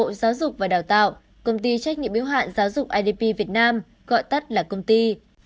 công ty trách nhiệm yếu hạn giáo dục và đào tạo công ty trách nhiệm yếu hạn giáo dục idp việt nam gọi tắt là công ty